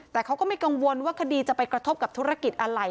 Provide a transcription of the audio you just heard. แต่เขาก็ไม่กังวลว่าคดีจะไปกระทบกับธุรกิจอะไร